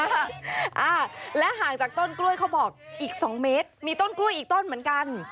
อ่าและห่างจากต้นกล้วยเขาบอกอีกสองเมตรมีต้นกล้วยอีกต้นเหมือนกัน